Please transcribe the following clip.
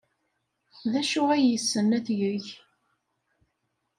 D acu ay yessen ad t-yeg?